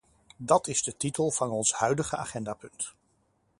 Dat is de titel van ons huidige agendapunt.